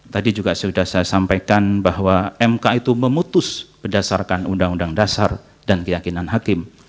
tadi juga sudah saya sampaikan bahwa mk itu memutus berdasarkan undang undang dasar dan keyakinan hakim